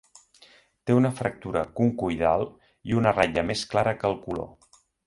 Té una fractura concoidal i una ratlla més clara que el color.